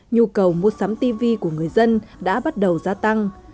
nhu cầu mua sắm tv của người dân đã bắt đầu gia tăng